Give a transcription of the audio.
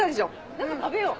何か食べよう。